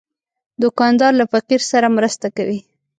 دوکاندار له فقیر سره مرسته کوي.